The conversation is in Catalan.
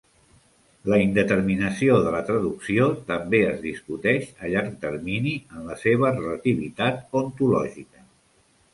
La indeterminació de la traducció també es discuteix a llarg termini en la seva "Relativitat ontològica".